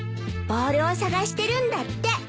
ボールを捜してるんだって。